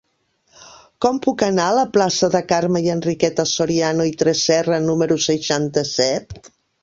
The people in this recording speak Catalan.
Com puc anar a la plaça de Carme i Enriqueta Soriano i Tresserra número seixanta-set?